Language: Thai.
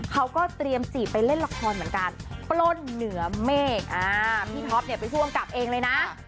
เขาก็เตรียมจีบไปเล่นละครเหมือนกันปล้นเหนือเมฆพี่ท็อปเนี่ยเป็นผู้กำกับเองเลยนะ